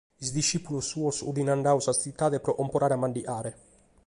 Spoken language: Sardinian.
Is discìpulos suos fiant andados a tzitade pro comporare a mandigare.